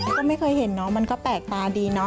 ก็ไม่เคยเห็นมันก็แปลกตาดี